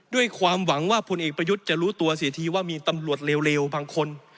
ด้วยความหวังว่าพลเอกประยุทธ์จะรู้ตัวเสียทีว่ามีตำรวจเลวบางคน